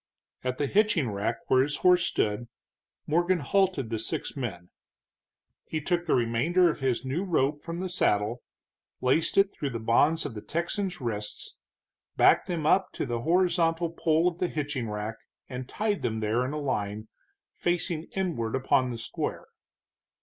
At the hitching rack where his horse stood, Morgan halted the six men. He took the remainder of his new rope from the saddle, laced it through the bonds on the Texans' wrists, backed them up to the horizontal pole of the hitching rack, and tied them there in a line, facing inward upon the square.